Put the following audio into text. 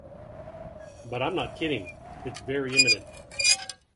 But I'm not kidding: It's very imminent.